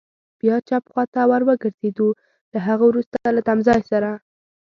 بیا چپ خوا ته ور وګرځېدو، له هغه وروسته له تمځای سره.